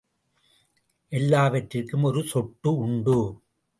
எல்லாவற்றுக்கும் ஒரு சொட்டு உண்டு.